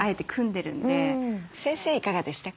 先生いかがでしたか？